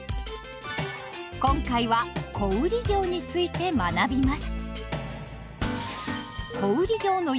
今回は「小売業」について学びます。